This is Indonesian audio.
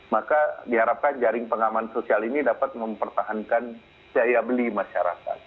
maka diharapkan jaring pengaman sosial ini dapat mempertahankan daya beli masyarakat